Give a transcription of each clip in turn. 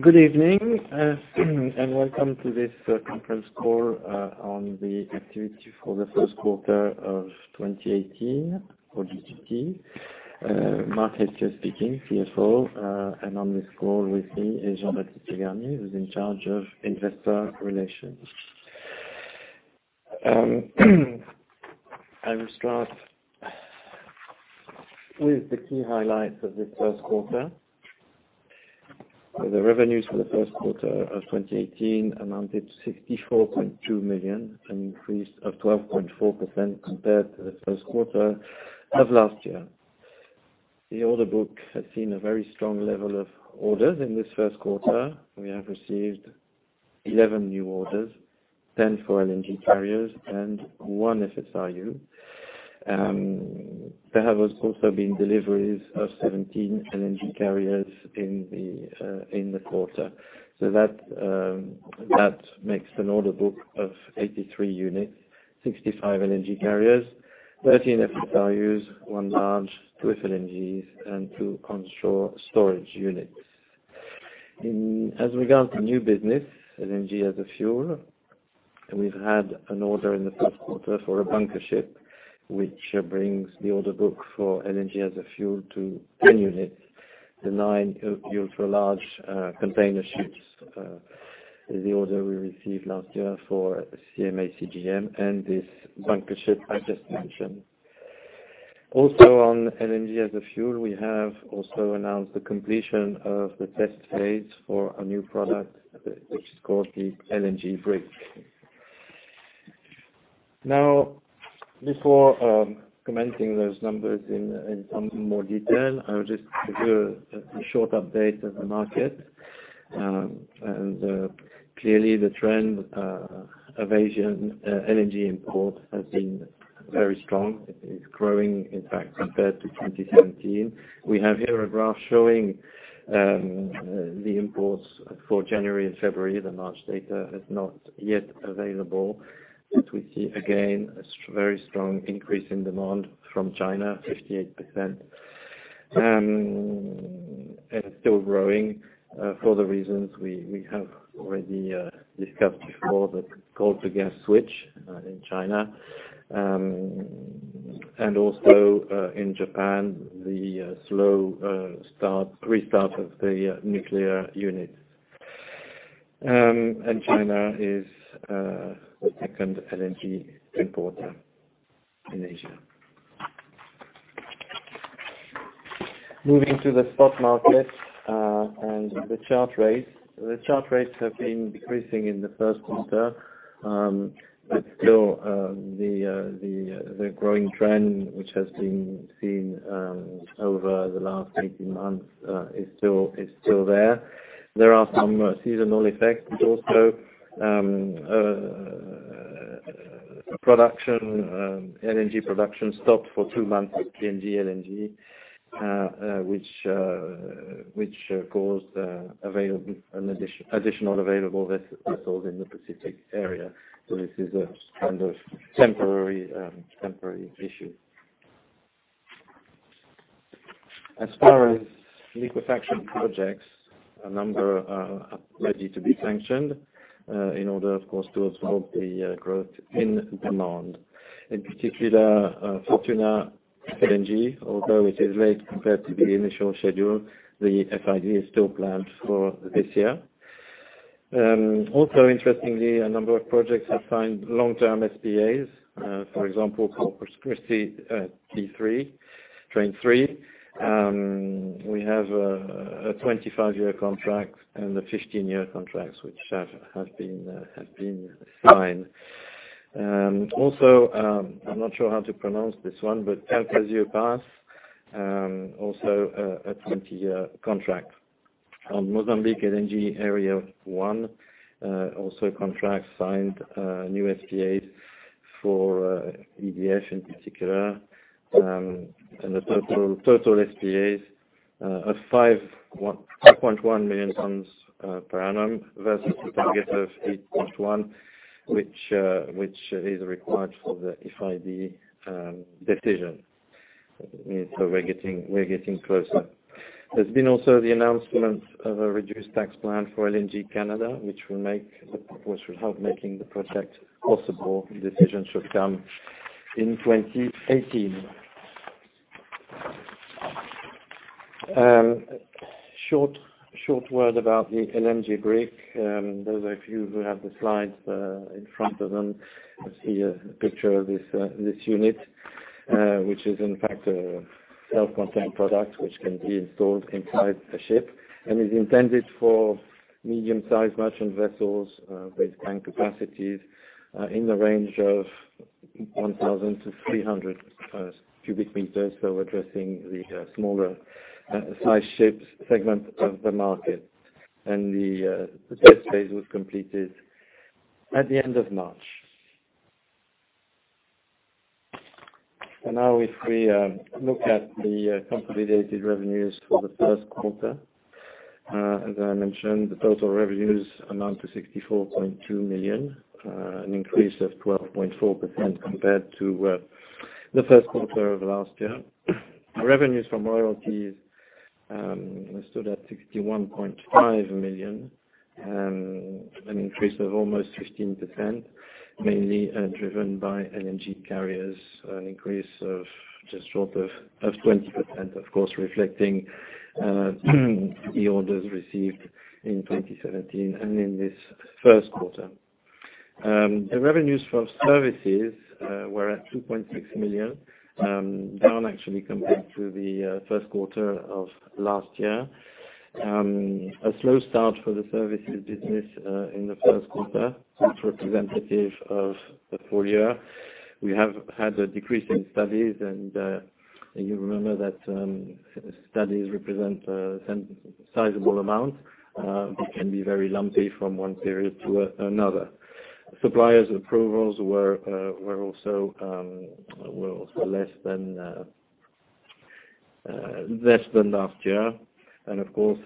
Good evening, and welcome to this conference call on the activity for the first quarter of 2018 for GTT. Marc Haestier speaking, CFO, and on this call with me is Jean-Baptiste Garnier, who's in charge of investor relations. I will start with the key highlights of this first quarter. The revenues for the first quarter of 2018 amounted to 64.2 million, an increase of 12.4% compared to the first quarter of last year. The order book has seen a very strong level of orders in this first quarter. We have received 11 new orders, 10 for LNG carriers and one FSRU. There have also been deliveries of 17 LNG carriers in the quarter. So that makes an order book of 83 units, 65 LNG carriers, 13 FSRUs, 1 large liquid FLNG, and two onshore storage units. In regard to new business, LNG as a fuel, we've had an order in the first quarter for a bunker ship, which brings the order book for LNG as a fuel to 10 units, the nine ultra-large container ships, the order we received last year for CMA CGM, and this bunker ship I just mentioned. Also, on LNG as a fuel, we have also announced the completion of the test phase for a new product, which is called the LNG Brick. Now, before commenting those numbers in some more detail, I would just give a short update of the market. And clearly the trend of Asian LNG import has been very strong. It's growing, in fact, compared to 2017. We have here a graph showing the imports for January and February. The March data is not yet available, but we see again a very strong increase in demand from China, 58%. And it's still growing for the reasons we have already discussed before, the coal to gas switch in China. And also in Japan, the slow restart of the nuclear units. And China is the second LNG importer in Asia. Moving to the spot market and the charter rates. The charter rates have been decreasing in the first quarter. But still, the growing trend, which has been seen over the last 18 months, is still there. There are some seasonal effects, but also, LNG production stopped for 2 months at PNG LNG, which caused an additional available vessels in the Pacific area. So this is a kind of temporary issue. As far as liquefaction projects, a number are ready to be sanctioned, in order, of course, to absorb the growth in demand. In particular, Fortuna LNG, although it is late compared to the initial schedule, the FID is still planned for this year. Also interestingly, a number of projects have signed long-term SPAs, for example, Corpus Christi, Train 3. We have a 25-year contract and a 15-year contract, which have been signed. Also, I'm not sure how to pronounce this one, but Calcasieu Pass, also, a 20-year contract. On Mozambique LNG Area 1, also contracts signed, new SPAs for, EDF in particular, and the Total, Total SPAs, of 5.1 million tons, per annum, versus a target of 8.1, which, which is required for the FID, decision. So we're getting, we're getting closer. There's been also the announcement of a reduced tax plan for LNG Canada, which will make the, which will help making the project possible. The decision should come in 2018. Short, short word about the LNG Brick. Those of you who have the slides in front of them, you see a picture of this unit, which is in fact a self-contained product which can be installed inside a ship, and is intended for medium-sized merchant vessels with tank capacities in the range of 1,000 to 300 cubic meters. So addressing the smaller size ships segment of the market. The test phase was completed at the end of March. Now if we look at the consolidated revenues for the first quarter, as I mentioned, the total revenues amount to 64.2 million, an increase of 12.4% compared to the first quarter of last year. Revenues from royalties stood at 61.5 million, an increase of almost 15%, mainly driven by LNG carriers, an increase of just short of 20%, of course, reflecting the orders received in 2017 and in this first quarter. The revenues for services were at 2.6 million, down actually compared to the first quarter of last year. A slow start for the services business in the first quarter, not representative of the full year. We have had a decrease in studies, and you remember that studies represent some sizable amount, but can be very lumpy from one period to another. Suppliers approvals were also less than last year. Of course,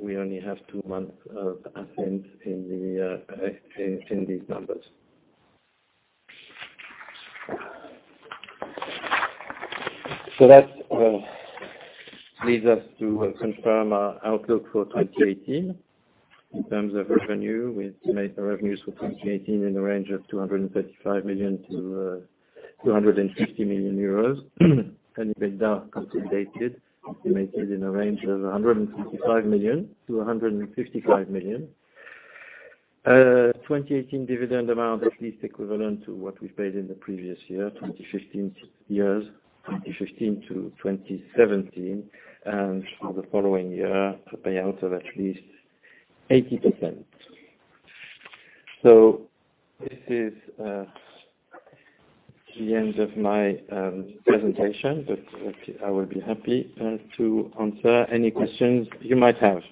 we only have two months of Ascenz in these numbers. So that leads us to confirm our outlook for 2018. In terms of revenue, we estimate the revenues for 2018 in the range of 235 million to 250 million euros. And EBITDA consolidated, estimated in a range of 155 million to 155 million. 2018 dividend amount, at least equivalent to what we paid in the previous year, 2015 to 2017, and for the following year, a payout of at least 80%. So this is the end of my presentation, but I will be happy to answer any questions you might have.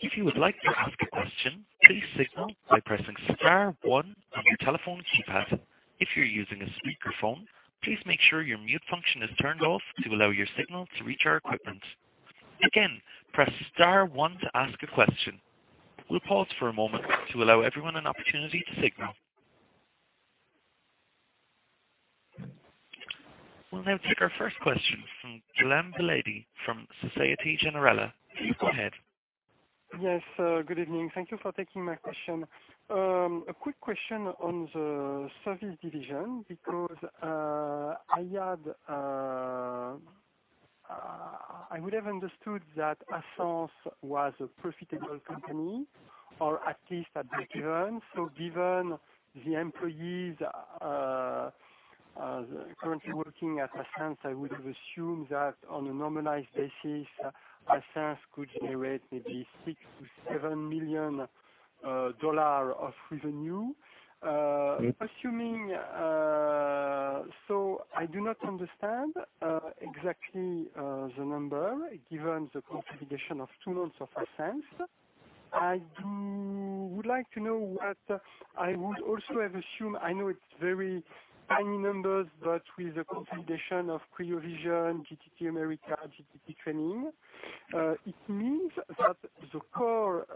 If you would like to ask a question, please signal by pressing star one on your telephone keypad. If you're using a speakerphone, please make sure your mute function is turned off to allow your signal to reach our equipment. Again, press star one to ask a question. We'll pause for a moment to allow everyone an opportunity to signal. We'll now take our first question from Guillaume Velay from Société Générale. Please go ahead. Yes, good evening. Thank you for taking my question. A quick question on the service division, because I would have understood that Ascenz was a profitable company, or at least at the current. So given the employees currently working at Ascenz, I would have assumed that on a normalized basis, Ascenz could generate maybe $6 million to $7 million of revenue. Mm-hmm. Assuming, so I do not understand exactly the number, given the contribution of two months of Ascenz. I would like to know what, I would also have assumed, I know it's very tiny numbers, but with the consolidation of Cryovision, GTT America, GTT Training, it means that the core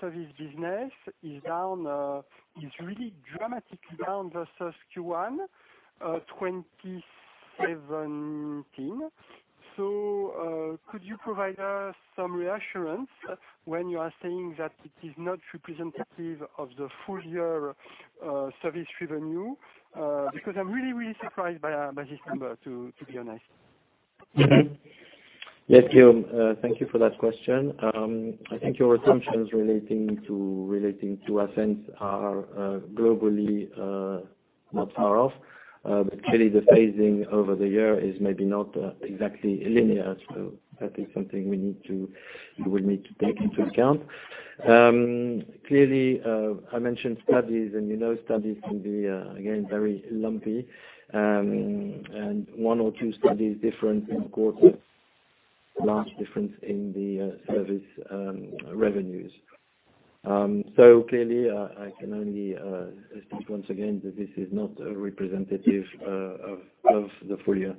service business is down, is really dramatically down versus Q1 2017. So, could you provide us some reassurance when you are saying that it is not representative of the full year service revenue? Because I'm really, really surprised by by this number, to to be honest. Yes, Guillaume, thank you for that question. I think your assumptions relating to Ascenz are globally not far off. But clearly, the phasing over the year is maybe not exactly linear, so that is something we need to take into account. Clearly, I mentioned studies, and you know, studies can be again very lumpy. And one or two studies different in quarters, large difference in the service revenues. So clearly, I can only speak once again that this is not a representative of the full year.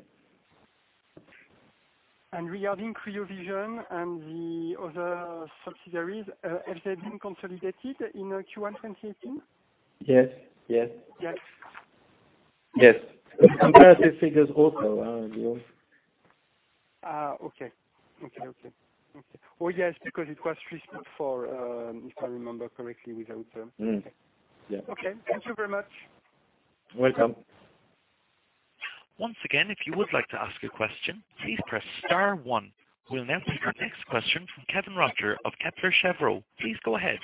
Regarding Cryovision and the other subsidiaries, have they been consolidated in Q1 2018? Yes, yes. Yes. Yes. Comparative figures also, Guillaume. Okay. Well, yes, because it was pushed up for, if I remember correctly, without- Mm-hmm. Yeah. Okay. Thank you very much. Welcome. Once again, if you would like to ask a question, please press star one. We'll now take our next question from Kevin Roger of Kepler Cheuvreux. Please go ahead.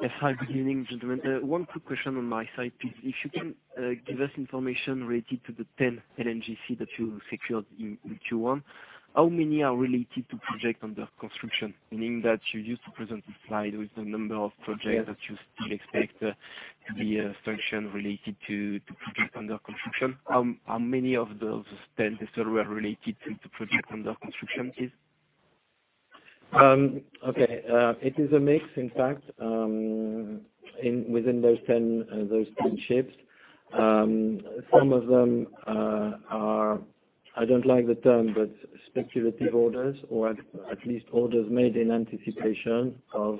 Yes, hi. Good evening, gentlemen. One quick question on my side, please. If you can give us information related to the 10 LNGC that you secured in Q1, how many are related to project under construction? Meaning that you used to present a slide with the number of projects that you still expect the function related to project under construction. How many of those 10 that were related to project under construction is? Okay. It is a mix, in fact, in within those 10, those 10 ships. Some of them, are, I don't like the term, but speculative orders, or at, at least orders made in anticipation of,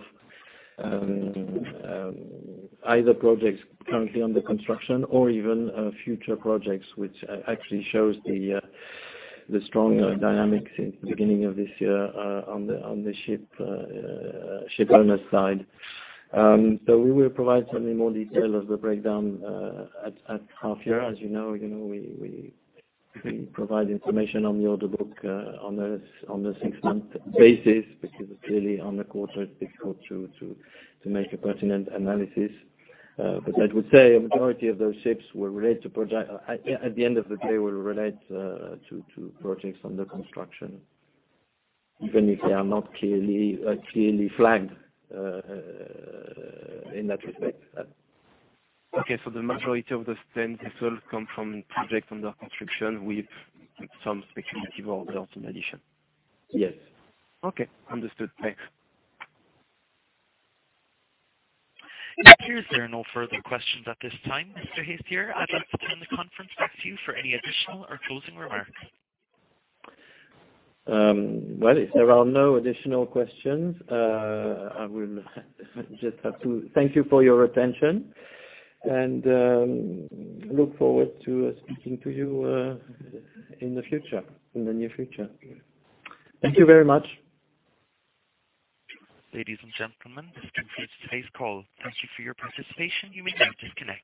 either projects currently under construction or even, future projects, which actually shows the, the strong, dynamics in the beginning of this year, on the, on the ship, shipowner's side. So we will provide certainly more detail of the breakdown, at, at half year. As you know, you know, we, we, we provide information on the order book, on a, on a 6 month basis, because clearly on the quarter it's difficult to, to, to make a pertinent analysis. But I would say a majority of those ships were related to project...At the end of the day, will relate to projects under construction, even if they are not clearly flagged in that respect. Okay, so the majority of the 10 vessel come from projects under construction with some speculative orders in addition? Yes. Okay. Understood. Thanks. There are no further questions at this time. Mr. Haestier, I'd like to turn the conference back to you for any additional or closing remarks. Well, if there are no additional questions, I will just have to thank you for your attention. And, look forward to speaking to you, in the future, in the near future. Thank you very much. Ladies and gentlemen, this concludes today's call. Thank you for your participation, you may now disconnect.